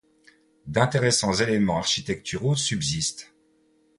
D'intéressants éléments architecturaux subsistent.